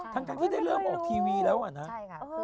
ทั้งที่ได้เริ่มออกทีวีแล้วอ่ะนะ